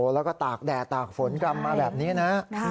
แล้วก็ตากแดดตากฝนกรรมมาแบบนี้นะ